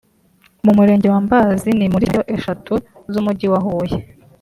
mu Murenge wa Mbazi ni muri kilometero eshatu z’Umujyi wa Huye